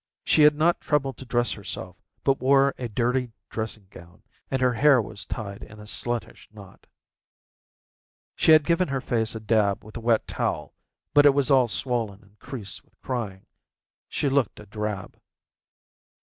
She had not troubled to dress herself, but wore a dirty dressing gown, and her hair was tied in a sluttish knot. She had given her face a dab with a wet towel, but it was all swollen and creased with crying. She looked a drab.